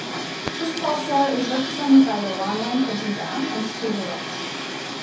This pulsar is represented by the long line pointing down and to the right.